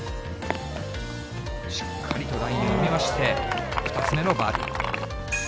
しっかりとラインを読みまして、２つ目のバーディー。